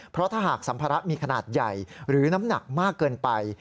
เพราะถ้าหากสัมภาระมีขนาดใหญ่หรือน้ำหนักมากเกินไป